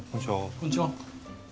こんちは。